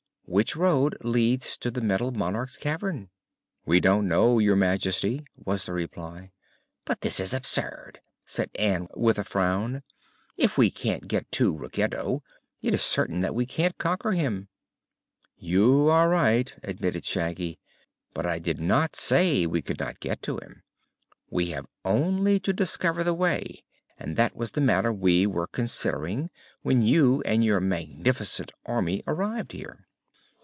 "Which road leads to the Metal Monarch's cavern?" "We don't know, Your Majesty," was the reply. "But this is absurd!" said Ann with a frown. "If we can't get to Ruggedo, it is certain that we can't conquer him." "You are right," admitted Shaggy; "but I did not say we could not get to him. We have only to discover the way, and that was the matter we were considering when you and your magnificent Army arrived here."